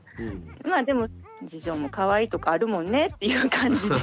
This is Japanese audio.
まあでも次女もかわいいとこあるもんねっていう感じで。